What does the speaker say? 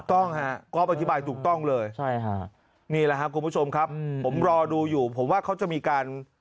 ต้องฮะก๊อฟอธิบายถูกต้องเลยใช่ค่ะนี่แหละครับคุณผู้ชมครับผมรอดูอยู่ผมว่าเขาจะมีการ